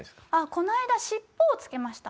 この間尻尾を付けました。